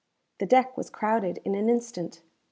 The deck was crowded in an instant.